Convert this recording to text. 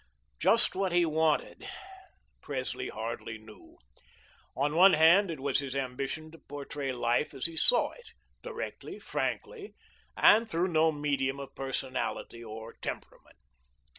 Just what he wanted, Presley hardly knew. On one hand, it was his ambition to portray life as he saw it directly, frankly, and through no medium of personality or temperament.